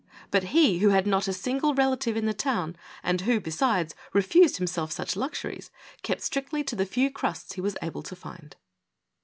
But he, who had not a single relative in the town, and who, besides, refused himself such luxuries, kept strictly to the few crusts he was able to find.